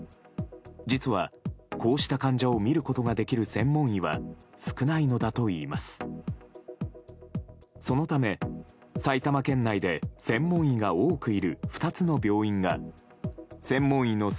実は、こうした患者を診ることができる専門医は少ないのだといいます。